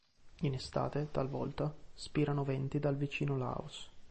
In estate, talvolta, spirano venti dal vicino Laos.